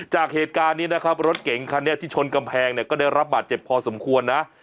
จากเหตุการณ์นี้นะครับรถเก๋งคันนี้ที่ชนกำแพงเนี่ยก็ได้รับบาดเจ็บพอสมควรนะ